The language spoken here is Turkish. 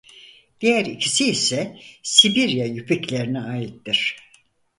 Diğer ikisi ise Sibirya Yupiklerine aittir.